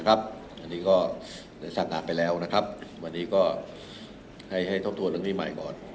อันนี้ก็จะสั่งอากไปแล้ววันนี้ก็ให้ทบทวนละมิใหม่ก่อน